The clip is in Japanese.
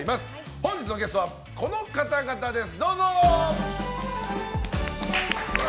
本日のゲストはこの方々です。